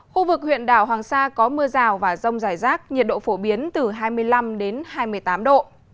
khu vực huyện đảo hoàng sa có mưa rào và rông rải rác nhiệt độ phổ biến từ hai mươi năm đến hai mươi tám độ